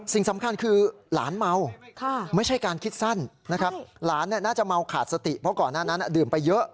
สิ่งสำคัญคือหลานเมาไม่ใช่การคิดสั้นนะครับหลานน่าจะเมาขาดสติเพราะก่อนหน้านั้นดื่มไปเยอะ